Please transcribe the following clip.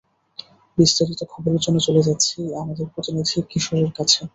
বিস্তারিত খবরের জন্য চলে যাচ্ছি, আমাদের প্রতিনিধি কিশোরের কাছে।